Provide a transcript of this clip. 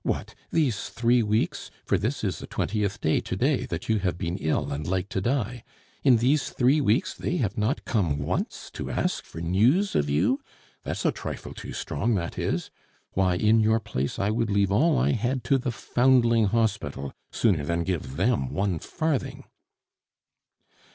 What! these three weeks for this is the twentieth day, to day, that you have been ill and like to die in these three weeks they have not come once to ask for news of you? That's a trifle too strong, that is!... Why, in your place, I would leave all I had to the Foundling Hospital sooner than give them one farthing!"